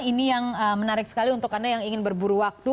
ini yang menarik sekali untuk anda yang ingin berburu waktu